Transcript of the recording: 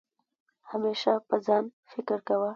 همېشه په ځان فکر کوه